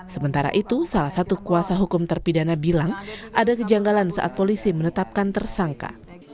sementara itu salah satu kuasa hukum terpidana bilang ada kejanggalan saat polisi menetapkan tersangka